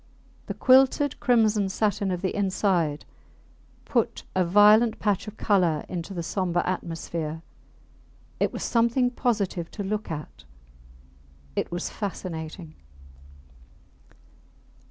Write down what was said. The quilted crimson satin of the inside put a violent patch of colour into the sombre atmosphere; it was something positive to look at it was fascinating.